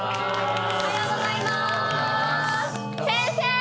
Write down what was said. おはようございます。